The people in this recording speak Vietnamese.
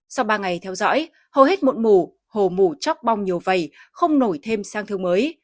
sau ba ngày theo dõi hầu hết mụn mù hồ mủ chóc bong nhiều vầy không nổi thêm sang thương mới